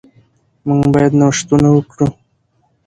موږ باید نوښتونه وکړو.